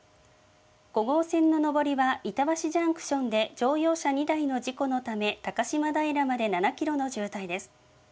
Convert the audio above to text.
５号線の上りは板橋ジャンクションで乗用車２台の事故のため、高島平まで７キロの渋滞です。